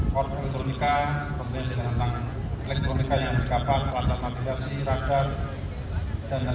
korpi elektronika tentunya juga tentang elektronika yang berkapan latar navigasi radar dan sebagainya